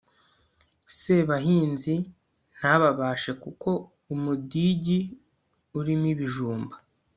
Sebahinzi ntababashe Kuko umudigi urimo ibijumba